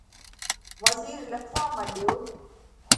وزِير لکوا مڏيو۔